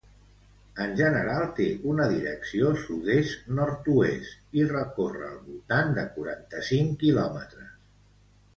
En general, té una direcció sud-est nord-oest, i recorre al voltant de quaranta-cinc quilòmetres.